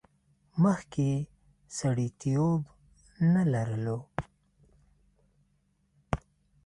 مخکې یې سړیتیوب نه لرلو.